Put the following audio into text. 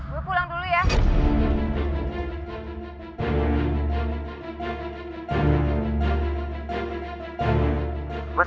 gue kangen aja sama dia mas